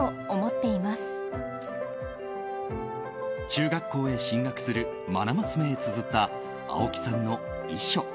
中学校へ進学する愛娘へつづった青木さんの遺書。